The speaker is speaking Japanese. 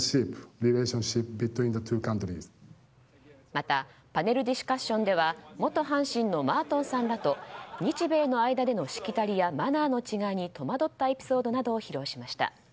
またパネルディスカッションでは元阪神のマートンさんらと日米の間でのしきたりやマナーの違いに戸惑ったエピソードなどを披露しました。